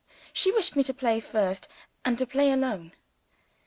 She wished me to play first, and to play alone.